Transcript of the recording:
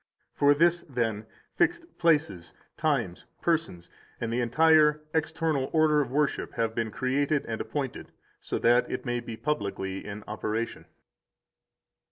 For this, then, fixed places, times, persons, and the entire external order of worship have been created and appointed, so that it may be publicly in operation.